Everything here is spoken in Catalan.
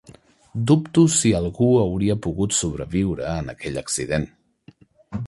Dubto si algú hauria pogut sobreviure en aquell accident.